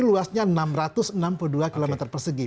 dki luasnya enam ratus enam puluh dua kilometer persegi